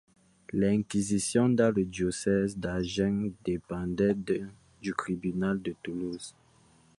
L'Inquisition dans le diocèse d'Agen dépendait du tribunal de Toulouse.